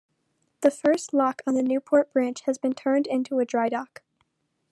The first lock on the Newport Branch has been turned into a dry-dock.